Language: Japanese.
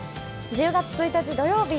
１０月１日土曜日